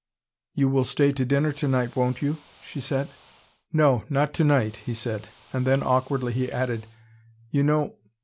"You will stay to dinner tonight, won't you?" she said. "No not tonight," he said. And then, awkwardly, he added: "You know.